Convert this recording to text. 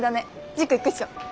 塾行くっしょ。